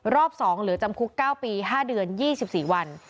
รอบ๒เหลือจำคุก๙ปี๕เดือน๒๔วัน